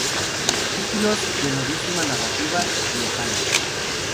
Títulos de novísima narrativa riojana.